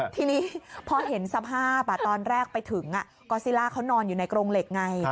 ทีนี้พอเห็นสภาพตอนแรกไปถึงกอซิล่าเขานอนอยู่ในกรงเหล็กไง